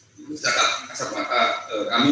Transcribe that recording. jadi secara kasar mata kami